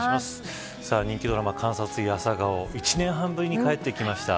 人気ドラマ、監察医朝顔１年半ぶりに帰ってきました。